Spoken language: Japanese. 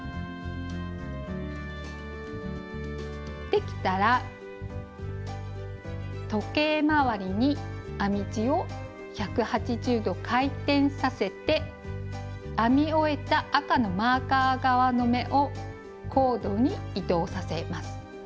できたら時計回りに編み地を１８０度回転させて編み終えた赤のマーカー側の目をコードに移動させます。